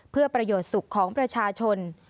เพื่อประโยชน์สุขของประชาชน